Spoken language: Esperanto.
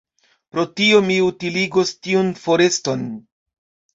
Pro tio, mi utiligos tiun foreston.